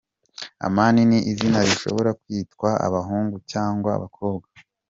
Amani ni izina rishobora kwitwa abahungu cyangwa abakobwa.